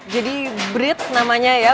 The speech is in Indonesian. jadi brit namanya ya